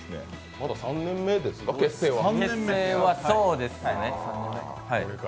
まだ結成は３年目ですか？